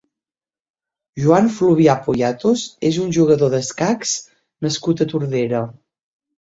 Joan Fluvià Poyatos és un jugador d'escacs nascut a Tordera.